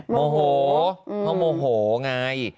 โมโหเพราะโมโหไง